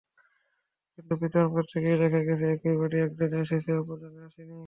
কিন্তু বিতরণ করতে গিয়ে দেখা গেছে একই বাড়ির একজনের এসেছে অপরজনের আসেনি।